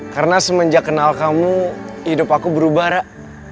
karena semenjak kenal kamu hidup aku berubah rak